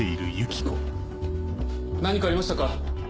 何かありましたか？